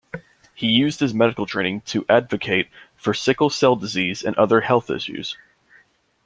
He used his medical training to advocate for sickle-cell disease and other health issues.